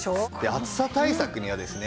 暑さ対策にはですね